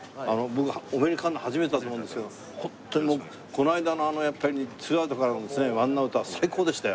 僕お目にかかるの初めてだと思うんですけどホントにもうこの間のやっぱりツーアウトからのワンアウトは最高でしたよ。